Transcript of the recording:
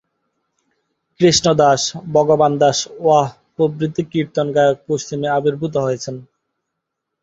কৃষ্ণ দাস, ভগবান দাস, ওয়াহ প্রভৃতি কীর্তন গায়ক পশ্চিমে আবির্ভূত হয়েছেন!